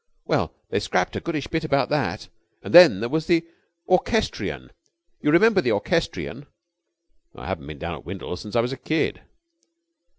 Well, they scrapped a goodish bit about that. And then there was the orchestrion. You remember the orchestrion?" "I haven't been down at Windles since I was a kid."